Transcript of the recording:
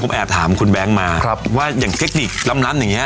ผมแอบถามคุณแบงค์มาว่าอย่างเทคนิคล้ำนั้นอย่างเงี้ย